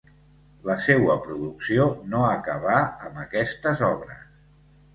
La seua producció no acabà amb aquestes obres.